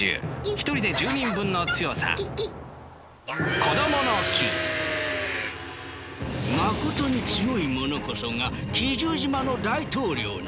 一人で１０人分の強さまことに強い者こそが奇獣島の大統領に。